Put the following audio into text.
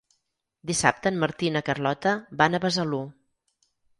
Dissabte en Martí i na Carlota van a Besalú.